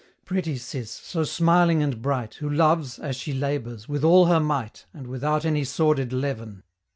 Pretty Cis, so smiling and bright, Who loves as she labors with all her might, And without any sordid leaven!